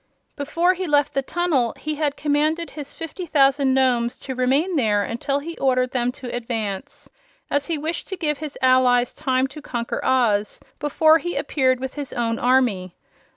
Before he left the tunnel he had commanded his fifty thousand Nomes to remain there until he ordered them to advance, as he wished to give his allies time to conquer Oz before he appeared with his own army.